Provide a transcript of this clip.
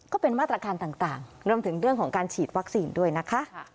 ก็เป็นมาตรการต่างรวมถึงเรื่องของการฉีดวัคซีนด้วยนะคะ